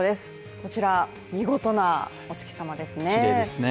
こちら、見事なお月様ですね。